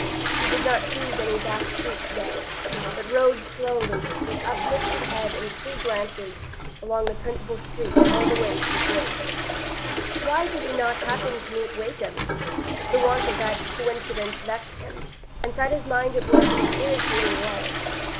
He did not choose any back street to day, but rode slowly, with uplifted head and free glances, along the principal street all the way to the bridge. Why did he not happen to meet Wakem? The want of that coincidence vexed him, and set his mind at work in an irritating way.